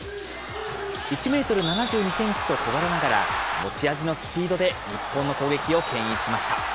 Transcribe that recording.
１メートル７２センチと小柄ながら、持ち味のスピードで日本の攻撃をけん引しました。